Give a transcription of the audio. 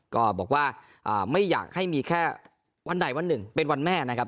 ก็บอกว่าไม่อยากให้มีแค่วันใดวันหนึ่งเป็นวันแม่นะครับ